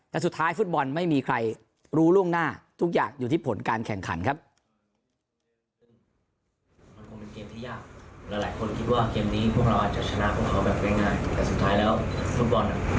แต่สุดท้ายฟุตบอลไม่มีใครรู้ล่วงหน้าทุกอย่างอยู่ที่ผลการแข่งขันครับ